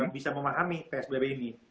bisa memahami psdb ini